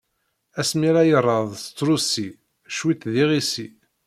Asmi ara irad s trusi, cwiṭ d iɣisi.